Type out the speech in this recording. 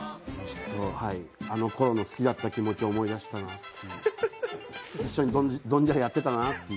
あのころの好きだった気持ちを思い出したら、一緒に「ドンジャラ」やってたなと。